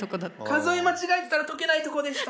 数え間違えてたら解けないとこでした。